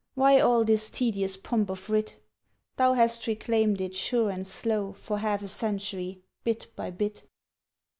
Why all this tedious pomp of writ? Thou hast reclaimed it sure and slow For half a century, bit by bit.